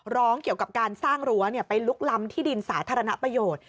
ร้องเกี่ยวกับการสร้างรั้วไปลุกล้ำที่ดินสาธารณประโยชน์